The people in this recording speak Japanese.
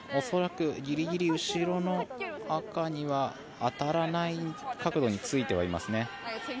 恐らくギリギリ後ろの赤には当たらない角度にはついていますね。